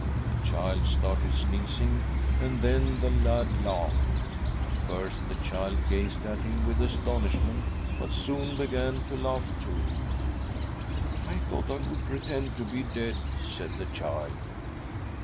The child started sneezing, and then the lad laughed. At first the child gazed at him with astonishment, but soon began to laugh too. ' I thought I would pretend to be dead,' said the child.